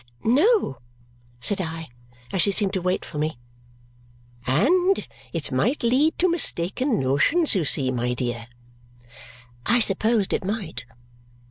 "No," said I, as she seemed to wait for me. "And it might lead to mistaken notions, you see, my dear." I supposed it might.